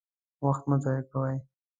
وخت مه ضايع کوئ!